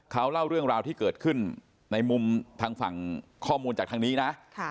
เขาเล่าเรื่องราวที่เกิดขึ้นในมุมทางฝั่งข้อมูลจากทางนี้นะ